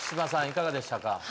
いかがでしたか？